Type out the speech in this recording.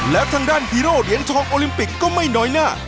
และทางด้านฮีโร่เหรียญทองโอลิมปิกก็ไม่น้อยหน้า